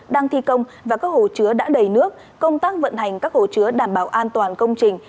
đang thi công và các hồ chứa đã đầy nước công tác vận hành các hồ chứa đảm bảo an toàn công trình